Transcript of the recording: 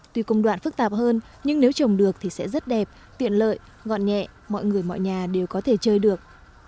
tuy công đoạn phức tạp hơn nhưng nếu trồng được thì sẽ rất đẹp tiện lợi gọn nhẹ mọi người mọi nhà đều có thể chơi được